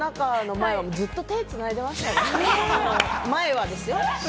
前はですよ。